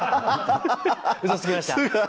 うそつきました。